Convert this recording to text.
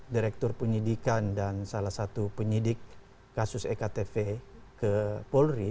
direktur penyidikan dan salah satu penyidik kasus ektv ke polri